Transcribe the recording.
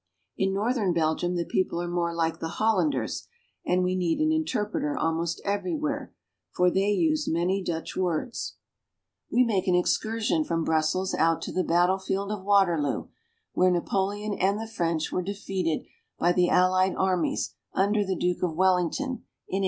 In northern Belgium the people are more like the Hol landers, and we need an interpreter almost everywhere, for they use many Dutch words. 132 BELGIUM. We make an excursion from Brussels out to the battle field of Waterloo, where Napoleon and the French were defeated by the allied armies under the Duke of Wellington, in 1815.